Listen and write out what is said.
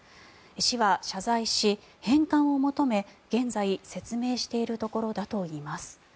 市は謝罪し、返還を求め現在、説明しているところだといいます。